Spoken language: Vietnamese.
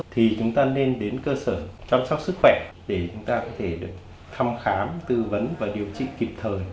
thì chúng ta nên đến cơ sở chăm sóc sức khỏe để chúng ta có thể được thăm khám tư vấn và điều trị kịp thời